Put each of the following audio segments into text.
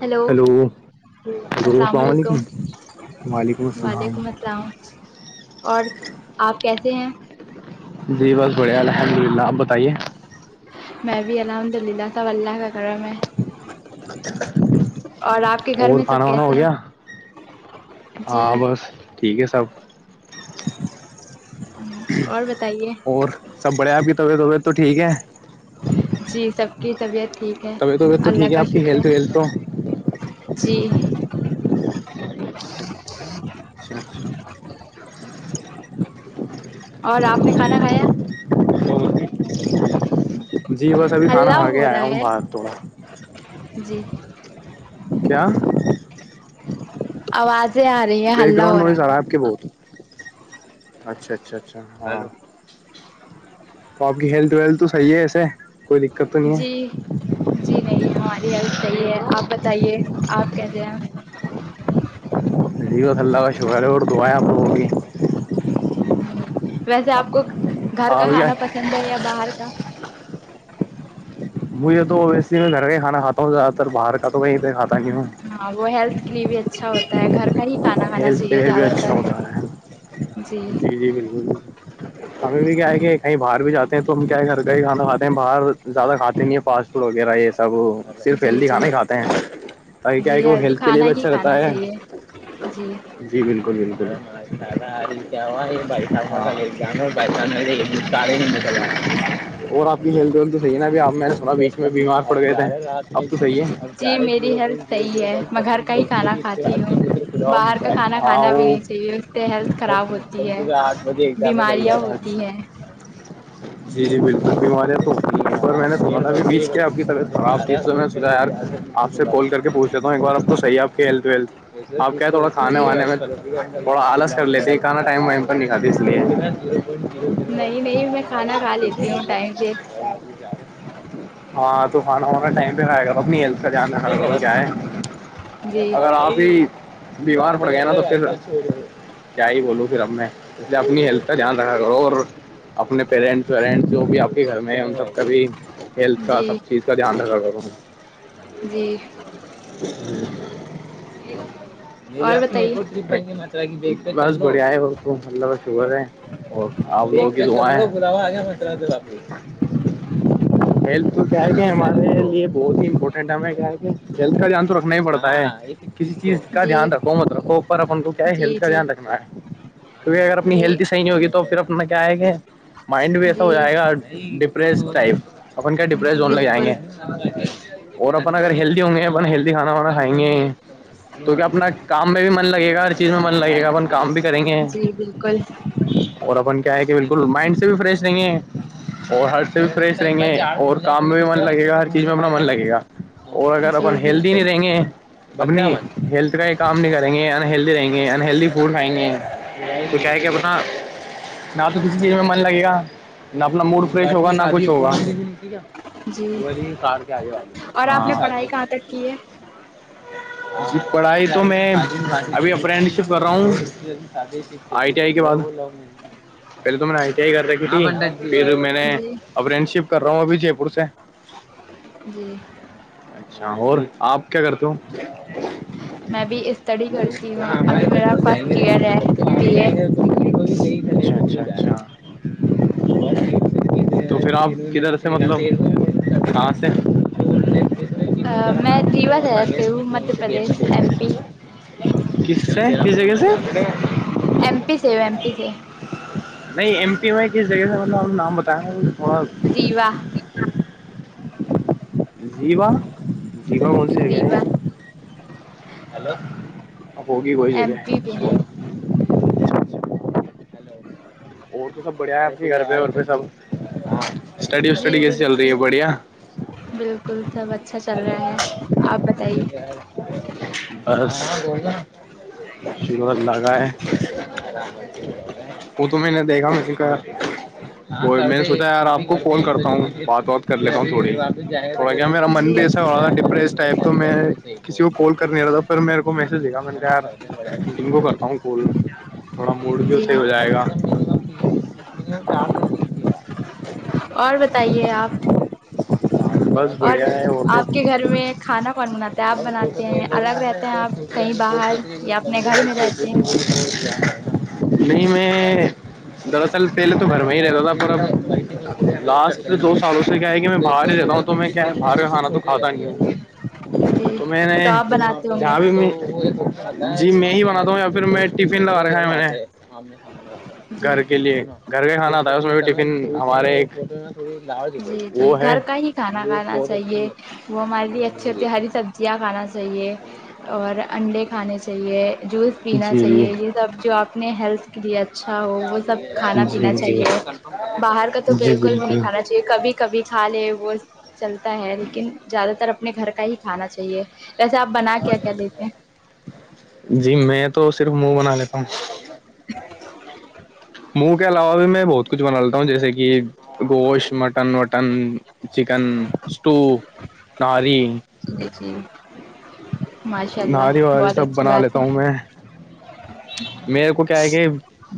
hello hello hello السلام علیکم وعلیکم السلام وعلیکم اور آپ کیسے ہیں جی بس بڑھیا الحمد للہ آپ بتائیے میں بھی الحمد للہ س اللہ کا کرم ہے اور آپ کے گھر اور میں سب کھانا وانا ہو کیسے ہیں گیا جی ہاں بس ٹھیک ہے سب [unintelligible] اور بتائیے اور سب بڑھیا آپ کی طبع وبیعت تو ٹھیک ہے جی سب کی طبیعت ٹھیک ہے طبیع وبیت تو ٹھیک اللہ ہے کا آپ شکر ہیلتھ ویلت تو جی اچھا اچھا اور آپ نے کھانا کھایا جی بس ابھی کھانا ہلہ کھا کے ہو آیا رہا ہوں ہے باہر تھڑا جی کیا آوازیں آ رہی ہے بیک ہلہ ہو گاؤنڈز آ رہا ہے آپ کے بت اچھا اچھا اچھ تو آپ کی ہیلتھ ویلت تو صحی ہے ایسے کوئی دقت تو نہیں جی جی نہیں ہماری ہیلپ صحیح ہے آپ بتائیے آپ کہتے ہیں جیو تھلہ کا شکر ہے اور دایا پوں گی ہوں، ویسے آپ کو گھر آپ کا کیا کھانا پسند ہے یا باہر کا مجھے تو اویسی میں گھر کا ہی کانا کھا ہوں زیاد تر باہر کا تو کہیں کھاتا کیوں ہاں وہ ہیلتھ کے لیے بھی اچھا ہوتا ہے گھر کا ہی کھانا کھانا ہیلتھ کے چاہیے لیے بھی زیادہ اچھا تر ہوتا ہے جی جی جی بالکل بل ہمیں بھی کیا ہے کہ کہیں باہر بھی جاتے ہیں تو ہم کیا ہے گھر کا ہی کھانا کھے ہیں باہر زیادہ کھاتے فاسٹ فوڈ وغیرہ یہ سب صرف جی ہیلدی جی کھانا ہی کھاتے ہیں تاکہ کیا ہے جی کہ وہ ہیلدی ہیلتھ کے لیے کھانا بھی ہی اچھا رہتا کھانا ہے چاہیے جی جی بالکل بالکل ہے ار جا یہ جان پساے اور آپ کی ہیلتھ ویلھ تو صح نا ب آپ میں نے سنا بیچ میں بیمار پڑ گیا تھا ہم تو صحی ہے ا جی گیارے میری زیرو ہیلتھ پوائنٹو صحیح زیرو ہے میں گھر کا ہی وٹ کھانا کھاتی ہوں اس باہر کا کھانا کھانا بھی کاؤ نہیں چاہیے اس سے ہیلتھ خراب ہوتی ہے کہ آٹھ بجے ایزام با بیماریاں [unintelligible] جی جی بالکل بیماریاں تو اور میں نے سناا ا بیچ کیا کی طیعت خراب تھی میں سوچا ی آپ سے کال کر کے پوھ لیتا ہوں ایک بار آپ کو صحی آھ آپ کیا تھوڑا کھانے جی وانے میں تھوڑا آلس کر لیتے کانا ٹائم وائم پر نہیں کاتے اس لیے نہیں نہیں میں کھانا کھا لیتی ہوں ٹائم سے رات بھیچار ہاں تو کھانا وانا ٹائم پہ کھائے گانیل جاناا کیا ہے جی اگر آپ ہی بیمار پڑ گئے نا تو پھر کیا ہی بولوں پھر اب میں اس لیے اپنی ہیلتھ کا دھیان رکھا کروں اور اپنے پیرنٹس ویرنٹس جو بھی آپ گھر میں ان سب کا بھی ہیلتھ کا جی سب چیز کا دھیان رکھا کر جی میری آس میں ایک اور چائی گے میں بس بڑیا ہے بت ملہ بہ شکر ہے پو آ بپ ہیلتھ تو کیا ہے کہ ہمارے یہ بہت ہی امپورٹینٹ ہے ہمیں کیا ہے کہ ہیلتھ کا دھیان تو رکھنا ہی پڑتا ہے یہ ایک کسی چیز کا جی دھیان رکھو مت رکھو اپن کو کیا ہے جی ہیلتھ کا جی دھیان رکھنا ہے کیہ اگر اپنی جی ہیلت ہی صحی نہیں ہوگی تو پھر اپنا کیا ہے کہ مائنڈ بھی ایسا ہو جی جائے گا ڈپریس ٹائپ اپن کیا ڈپریس زون لگ جائیں بالکل گے اور اپن اگر ہیلدی ہوں گے اپن ہیلدی کھانا وانا کھائیں گے تو کیا اپنا کام میں بھی من لگے گا ہر چیز میں من لگے گا اپن کام بھی کریں گے جی بالکل اور اپن کیا ہے کہ بالکل مائنڈ سے بھی فریش نہیں ہے اور ہرٹ سے بھی فریش یں گے اور کام میں بھی من لگے گا ہر چیز میں اپنا من لگے گا اور اگر جی اپن ہیلدی بالکل نہیں رہیں گے ہیلتھ کا یہ کام نہیں کریں گے انہلدی رہیں گے انہلدی فڈ کائیں گے کچھ ہے کہ اپنا نہ تو کسی چیز میں من لگے گا نہ اپنا موڈ فرش ہوگا نہ کچھ ہوگا جی وہی سار کے آئی اور آپ آج نے پڑھائی شادی کہاں تک کی ہے پڑھائی تو میں ابھی اپرینٹشپ کر رہا ہوں آئی ٹی آئی کے بات بول رہا ہوں میں پہلے تو میں نے آئی ٹی آئی کر رھی تھی پھر میں نے جی اور فرینڈ شپ کر رہا ہوں ابھی جے پور سے جی اچھا اور آپ کیا کرتے ہو میں بھی اسٹڈی کرتی ہوں ابھی میرا فرسٹ ایئر ہے بی اے کوئی گئی اھا تو پھر آپ کدھر سے مطلب کہاں سے میں روا دہرتی ہوں مدہ پردیش ایم پی کس کس جگہ سے ایم پی سے ایم پی سے نہیں ایم پی وائی کس جگہ سے مطلب آپ نے نام بتایا تھوڑا ریوا زیا زیا من سے ریوا کیالو اب ہوگی کوئی ایم جگہ پی بھی ہیں اور تو سب بڑھیا ہے آپ کے گھر پہ وور پہ سب اسٹڈی وٹڈی جی کیسی چل رہی ہے بالکل بڑھیا بالکل سب اچھا چل رہا ہے آپ بتائیے اور لگائے وہ تو میں نے دیکھا مھے کہ ب میں نے سوچا یار آپ کو فال کرتا ہوں بات بات کر لیتا ہوں تھوڑی میرا من جی بھی ایسا ہو رہا تھا ڈپریس ٹائپ تو میں کسی کو کال کر نہیں رہا تھا پھر میرے کو میسج دےھا میں نے ان کو کرتا ہوں کال تھوڑا موڈ بھی جی صی ہو جائے گا انں ڈر کو دی گیا اور بتائیے آپ بس اور بڑھیا ہے آپ کے گھر میں کھانا بننا تھا اور تو کو بڑیا کہیں چوا باہر یا اپنے گھر میں رہتے ہیں نہیں میں دراصل پہلے تو گھر میں ہی رہتا تھا پورا لاسٹ دو سالوں سے کیا ہے کہ میں باہر ہی جا ہوں تو میں کیا ہے باہر کا کھانا تو کھاتا نہیںوں [inaudible] تو میں نے آپ بناتے ہوں گے جہاں بھی جی میں ہی بناتا ہوں یا پھر میں ٹفن لگا رکھا ہے میں نے [inaudible] جی گھر کے لیے گھر کا کھانا آتا ہے اس میں بھی ٹفن ہمارے ایک [inaudible] جی جی وہ ہے گھر کا ہی کھانا کھانا چاہیے وہ ہمارے لیے اچھے ہوتی ہری سبزی جیا کھانا چاہیے اور انڈے کھانے چاہیے جوس [inaudible] پینا جی چاہیے جی یہ سب جو اپنے ہیلتھ کے لیے اچھا ہو وہ سب کھانا جی پینا جی چاہیے باہر کا تو بالکل بھی نہیں کھانا چاہیے کبھی کبھی کھا لے وہ چلتا ہے لیکن زیادہ تر اپنے گھر کا ہی کھانا چاہیے ویسے آپ بنا کیا کیا دیتے ہیں جی میں تو صرف منہ بنا لیتا ہوں [inaudible] منہ کے علاوہ بھی میں بہت کچھ بنالتا ہوں جیسے کہ گوشت مٹن وٹن چکن اسٹو نہاری جی جی ماشاء اللہ نہاری وہاری بہت سب اچھی بنا بات لیتا ہے ہوں میں میرے کو کیا ہے کہ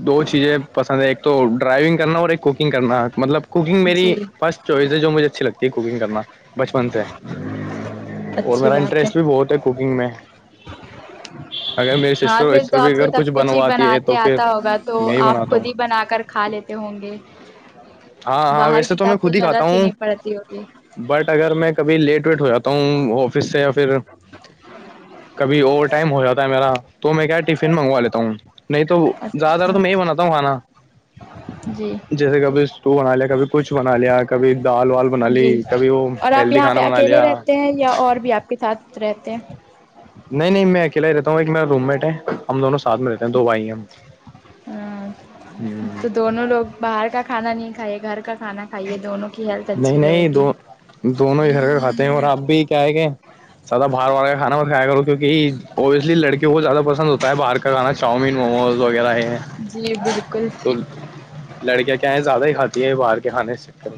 دو چیزیں پسند ہیں ایک تو ڈرائیونگ کرنا اور ایک کوکنگ کرنا مطلب کوکنگ میری جی فرسٹ چوائز ہے جو مجھے اچھی لگتی ہے کوکنگ کرنا بچپن سے اور اچھی میرا بات انٹرسٹ بھی بہت ہے اگر میرے ہاں سسٹر پھر ور تو بھی آپ سے اگر کچھ سب ہی بنوا بناتے آتا ہوگا تو آپ خود ہی بنا کر کھا لیتے ہوں گے ہاں ہاں باہر ویسے تو میں کتاب کو خود کھاتا ضرورت ہی ہوں نہیں پڑتی ہوتی بٹ اگر میں کبھی لیٹ ویٹ ہو جاتا ہوں آفس سے یا پھر ہ [inaudible] کبھی اوور ٹائم ہو جاتا ہے میرا تو میں کیا ٹفن منگوا لیتا ہوں نہیں تو زیادہ تر تو اچھا میں ہی بناتا ہوں کھانا جی جیسے کبھی اسٹو بنا لیا کبھی کچھ بنا لیا کبھی دال وال بنا لی جی کبھی وہ اور آپ ہیلدی یہاں پہ کھانا بنا اکیلے لیا رہتے ہیں یا اور بھی آپ کے [inaudible] کے ساتھ رہتے ہیں نہیں نہیں میں اکلا ہی رہتا ہوں ایک میرا روم مٹ ہے ہم دونوں ساتھ میں رہتے ہیں دو بھائی ہم ہاں ہ تو دونوں لوگ باہر کا کھانا نہیں کھائیے گھر کا کھانا کھائیے دونوں کی ہیلتھ نہیں اچھی رہے نہیں گی دو دونوں ہیھر کا کھاتے ہیں اور اپ بھی کیا ہے کہ زیادہ باہار والا کا کانا کھایا کروں کیونکہ اوبویسلی لڑکیوں کو زیادہ پسند ہوتا ہے باہ کھانا چاؤمین موموز وغیرہ ہے جی بالکل تو لڑکیاں کیا ہے زیادہ ہی کھاتی ہے باہر کے کھانے کے چکر میں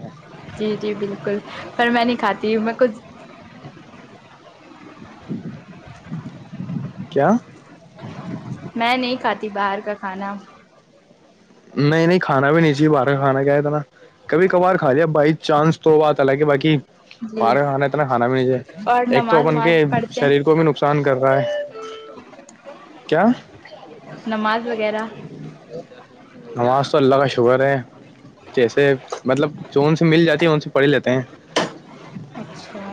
جی جی بالکل پر میں نہیں کھاتی میں کچھ ٹھیک ہے [inaudible] [inaudible] کیا میں نہیں کھاتی باہر کا کھانا نہیں نہیں کھانا بھی نہیں چاہیے باہر کا کھانا کیا ہے اتنا کبھی کبھار کھا لیا بائی چانس تو بات الالہ باقی جی پار کھانا اتنا کانا بھی نہیں اور ایک تو نماز اپن وماز کے پڑھتے ہیں شریر کو بھی ن نقصان کر رہا ہے کیا نماز وغیرہ نماز تو اللہ کا شکر ہے جیسے مطلب جو ا سے مل جاتی ہے ا سے پڑھ لیتے ہیں اچھا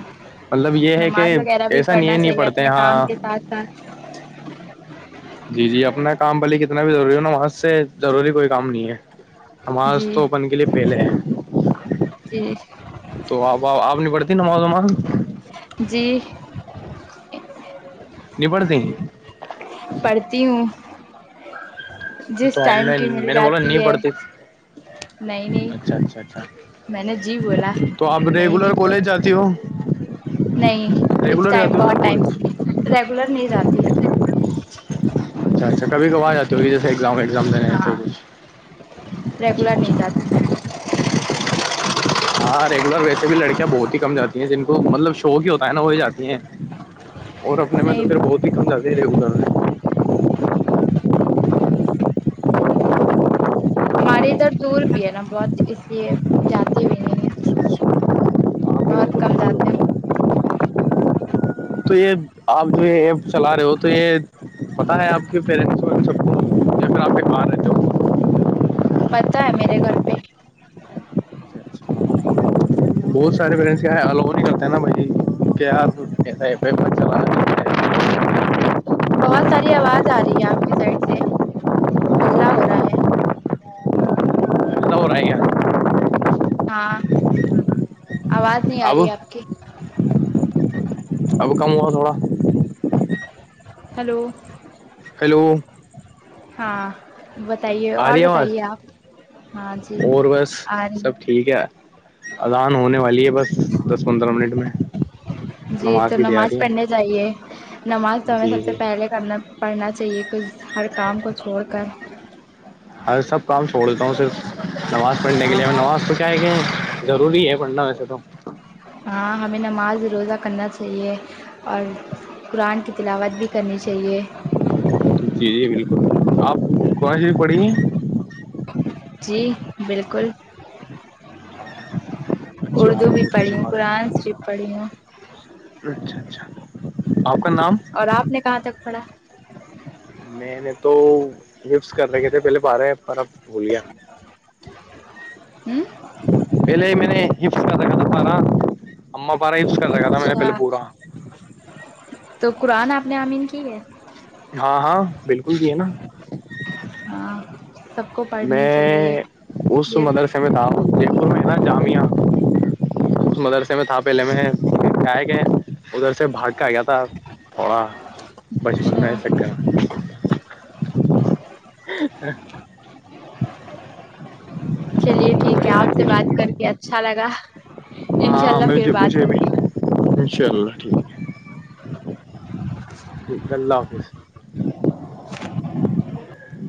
مطلب یہ ہے کہ نماز وغیرہ بھی ایسا ن پڑھنا نہیں چاہیے پڑتے اپنے ہاں کام کے ساتھ ساتھ جی جی اپنا کام بلیے کتنا بھی ضروری ہو نا نماز سے ضروری کوئی کام نہیں ہے نماز جی تو اپن کے لیے پہلے ہے جی تو اب آپ نہیں پڑتی نماز وماز جی پڑتے ہیں پڑھتی ہوں تو جس ہم ٹائم میں کی مل میں نے بولا نہیں جاتی ہے پڑتی نہیں نہیں اچھا اچھا اچھا میں نے جی بولا تو آپ میں ہی ریگولر نہیں بولا کالج جاتی ہو نہیں اس ریگولر ٹائم جاتی ہو آپ بہت کالج ٹائم سے ریگولر نہیں جاتی اچھا اچھا کب کبار آتے ہو جیےگزامگزام دیتے ہاں کھ ریگولر نہیں جاتی میں ہاں ریگولر ویسے بھی لڑکیا بہت ہی کم جاتی جن کو مطلب شوق ہی ہوتا ہے نا وہی جاتی ہیں اور اپنے میں تو نہیں پھر بہت ھمندا کہ رہے ہو گا ہے ہمارے ادھر دور بھی ہے نا بہت اس لیے جاتے بھی نہیں ہیں بہت کم جاتے ہیں تو یہ آپ جو یہ ایپ چلا رہے ہو تو یہ پتاہ ہے آپ کے پیرنٹس کو ان سب کو کہ اگر آپ کے کہان ہے جا پتاہ ہے میرے گھر پہ اچھا اچھا بہت سارےیرینٹس یہ الو نہیں کرتے ہیں نا بھائی کہی ایسا ایف چلا بہت ساری آواز آ رہی ہے آپ کے سائڈ سے ہلا ہو رہا ہے اور آئے گا ہاں آواز نہیں آ اب رہی ہے آپ کی اب کم ہوا تھوڑا ہیلو ہیلو ہاں بتائیے آ اور رہی ہے آواز بتائیے آپ ہاں جی اور بس آ رہی ہیں سب ٹھیک ہے اذان ہونے والی ہے بس دس پندرہ منٹ میں جی تو کی نماز تیاری پڑھنے چاہیے نماز ہے تو ہمیں جی سب سے جی پہلے کرنا پڑنا چاہیے کچھ ہر کام کو چھوڑ کر اور سب کام چھوڑ دیتا ہوں صرف نماز پڑھنے کے لیے نماز تو کیا ہے کہ ضروری ہے پڑھنا میںسب ایک دم ہاں ہمیں نماز روزہ کرنا چاہیے اور قرآن کی تلاوت بھی کرنی چاہیے جی جی بالکل آپ کونش پڑی ہیں جی بالکل اچھی بات اردو ہے بھی بہت پڑھی اچھی ہوں بات قرآن بھی پڑھی ہوں اچھا اچھا آپ کا نام اور آپ نے کہاں تک پڑھا میں نے تو ہفط کر رکھے تھے پہلے پارے ہیں پر اب بھول لیا ہ پہلے میں نےحفط کر رکھا تھا پارا اما پارا ہفط کر رکھا تھا میں نے پہلے اچھا پورا تو قرآن آپ نے آمین کی ہے ہاں ہاں بالکل بھی ہے نا [inaudible] سب کو پڑھنی چاہیے میں اس یہ مدرس میں تھا دیکھوں ہے نا جامعہ اس مدرسے میں تھا پہلے میں کیا ہے کہ ادھر سے بھاگ کے آ گیا تھا تھوڑا بچپن میں اچھا چلیے ٹھیک ہے بڑھیا آپ سے بات پھر کر کے اچھا لگا انشاء ہاں اللہ پھر مجھے بات مجھے بھی ہوگی انشاء اللہ ٹھیک ہے ٹھیک اللہ حافظ